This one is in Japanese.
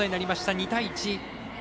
２対１。